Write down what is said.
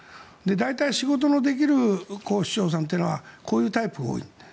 大体、仕事のできる市長さんっていうのはこういうタイプが多い。